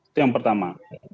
itu yang pertama